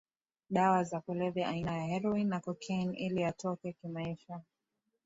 dawa za kulevya aina ya heroine na cocaine ili atoke kimaisha